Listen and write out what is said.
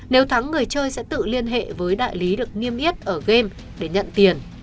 nếu thắng người chơi sẽ tự liên hệ với đại lý được niêm yết ở game để nhận tiền